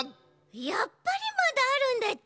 やっぱりまだあるんだち？